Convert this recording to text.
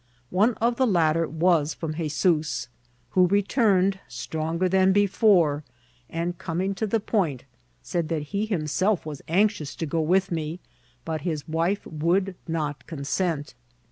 One of the latter was from 'Hezoos, who returned stronger than be fore, and coming to the point, said that he himself was anxious to go with me, but his wife would not consent.